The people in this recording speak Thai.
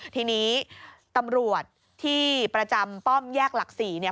ทีนี้ตำรวจที่ประจำป้อมแยกหลัก๔เนี่ย